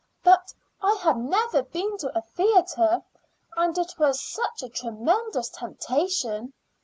But I had never been to a theater, and it was such a tremendous temptation.